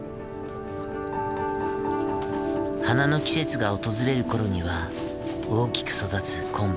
花の季節が訪れる頃には大きく育つコンブ。